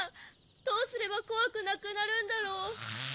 どうすればこわくなくなるんだろう？ガァ。